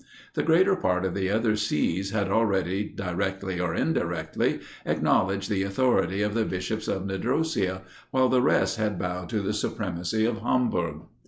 The greater part of the other sees had already, directly, or indirectly, acknowledged the authority of the bishops of Nidrosia, while the rest had bowed to the supremacy of Hamburg.